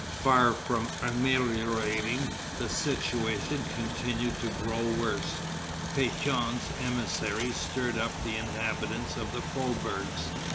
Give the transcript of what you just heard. Far from ameliorating, the situation continued to grow worse. Pétion's emissaries stirred up the inhabitants of the faubourgs.